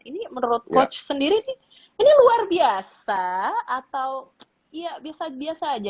ini menurut coach sendiri sih ini luar biasa atau ya biasa biasa aja